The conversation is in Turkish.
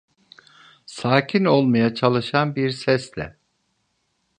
Sakin olmaya çalışan bir sesle: